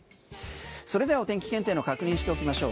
それでは、お天気検定の確認をしておきましょう。